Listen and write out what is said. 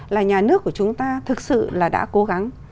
là nhà nước của chúng ta thực sự là đã cố gắng